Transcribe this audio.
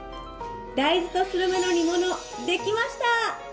大豆とするめの煮物できました！